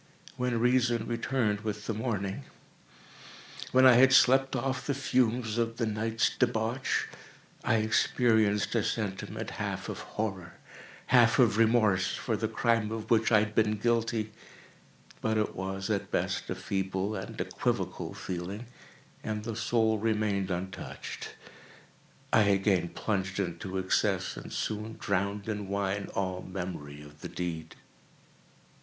When reason returned with the morning—when I had slept off the fumes of the night's debauch—I experienced a sentiment half of horror, half of remorse, for the crime of which I had been guilty; but it was, at best, a feeble and equivocal feeling, and the soul remained untouched. I again plunged into excess, and soon drowned in wine all memory of the deed.